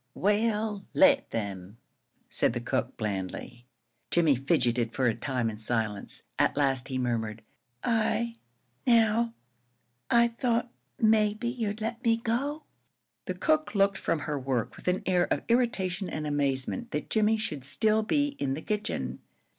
"Well, let them," said the cook, blandly. Jimmie fidgeted for a time in silence. At last he murmured, "I now I thought maybe you'd let me go." The cook turned from her work with an air of irritation and amazement that Jimmie should still be in the kitchen.